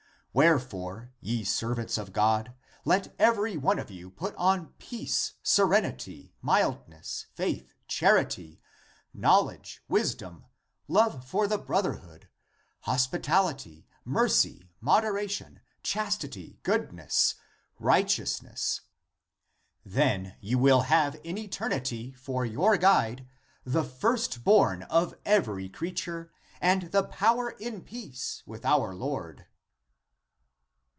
Wherefore, ye servants of God, let every one of you put on peace, serenity, mildness, faith, charity, knowledge, wisdom, love for the brotherhood, hospi tality, mercy, moderation, chastity, goodness, right eousness.^ Then you will have in eternity for your guide the first born of every creature and the power in peace with our Lord."